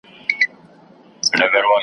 په دواړو شعرونو کي .